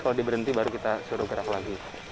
kalau dia berhenti baru kita suruh gerak lagi